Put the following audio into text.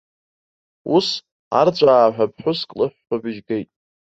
Ус, арҵәааҳәа ԥҳәыск лыҳәҳәабжь геит.